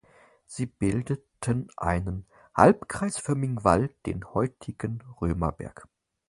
Sie bildeten einen halbkreisförmigen Wall, den heutigen Römerberg.